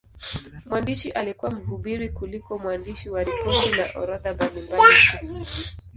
Mwandishi alikuwa mhubiri kuliko mwandishi wa ripoti na orodha mbalimbali tu.